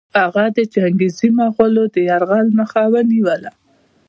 هغه د چنګېزي مغولو د یرغل مخه ونیوله.